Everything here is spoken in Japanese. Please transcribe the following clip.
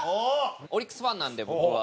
オリックスファンなんで僕は。